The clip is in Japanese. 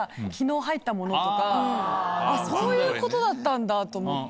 そういうことだったんだと思って。